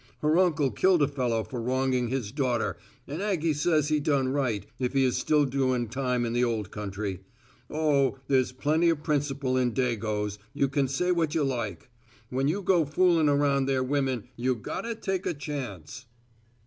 Her uncle killed a fellow for wronging his daughter and Aggie says he done right, if he is still doing time in the old country. Oh, there's plenty of principle in dagoes, you can say what you like. When you go foolin' around their women you gotta take a chance."